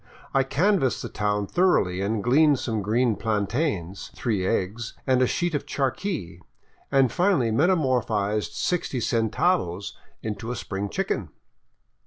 I canvassed the town thoroughly and gleaned some green plantains, three eggs, and a sheet of charqui, and finally metamorphized sixty centavos into a spring chicken.